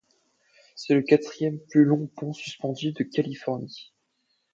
C'est le quatrième plus long pont suspendu de Californie.